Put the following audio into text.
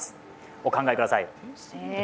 お考えください。